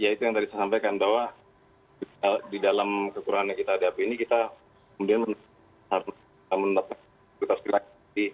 ya itu yang tadi saya sampaikan bahwa di dalam kekurangan yang kita hadapi ini kita mungkin menetapkan kualitas gerak